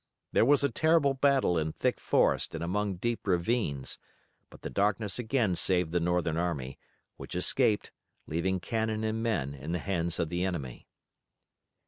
There was a terrible battle in thick forest and among deep ravines, but the darkness again saved the Northern army, which escaped, leaving cannon and men in the hands of the enemy.